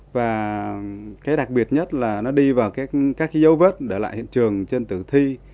và cái đặc biệt nhất là nó đi vào các cái dấu vết để lại hiện trường trên tử thi